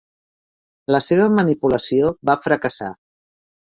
La seva manipulació va fracassar.